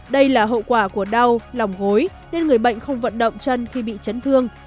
đây là hậu quả của đau lỏng gối nên người bệnh không vận động chân khi bị chân thương